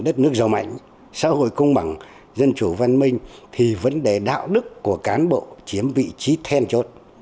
đất nước giàu mạnh xã hội công bằng dân chủ văn minh thì vấn đề đạo đức của cán bộ chiếm vị trí then chốt